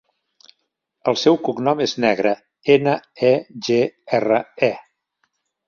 El seu cognom és Negre: ena, e, ge, erra, e.